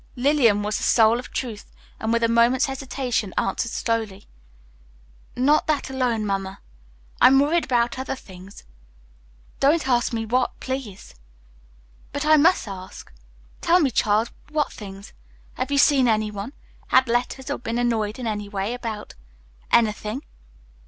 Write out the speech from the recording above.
Lillian was the soul of truth, and with a moment's hesitation answered slowly, "Not that alone, Mamma. I'm worried about other things. Don't ask me what, please." "But I must ask. Tell me, child, what things? Have you seen any one? Had letters, or been annoyed in any way about anything?"